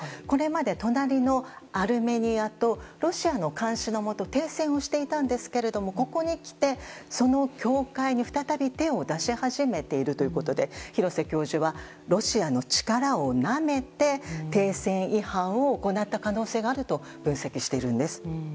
これまで隣のアルメニアとロシアの監視のもと停戦をしていたんですがここにきてその境界に再び手を出し始めているということで廣瀬教授はロシアの力をなめて停戦違反を行った可能性があると分析しているんです。